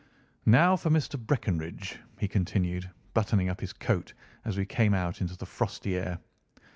"Now for Mr. Breckinridge," he continued, buttoning up his coat as we came out into the frosty air.